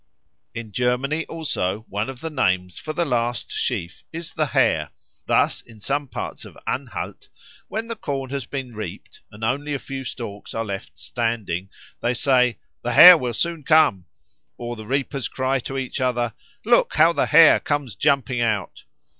In Germany also one of the names for the last sheaf is the Hare. Thus in some parts of Anhalt, when the corn has been reaped and only a few stalks are left standing, they say, "The Hare will soon come," or the reapers cry to each other, "Look how the Hare comes jumping out."